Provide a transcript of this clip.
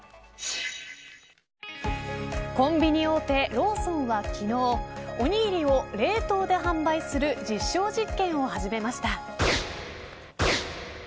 コンビニ大手、ローソンは昨日おにぎりを冷凍で販売する実証実験を始めました。